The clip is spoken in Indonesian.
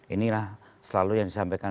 inilah selalu yang disampaikan